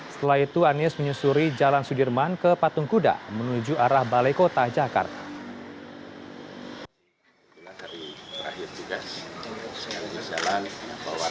setelah itu anies menyusuri jalan sudirman ke patung kuda menuju arah balai kota jakarta